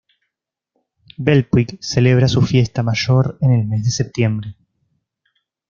Bellpuig celebra su fiesta mayor en el mes de septiembre.